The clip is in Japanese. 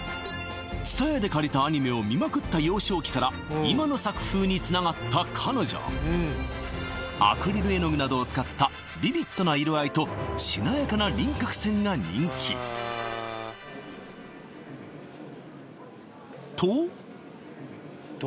ＴＳＵＴＡＹＡで借りたアニメを見まくった幼少期から今の作風につながった彼女アクリル絵の具などを使ったビビッドな色合いとしなやかな輪郭線が人気と？